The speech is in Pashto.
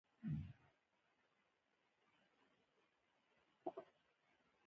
آیا د ایران دښتي پیشو نایابه نه ده؟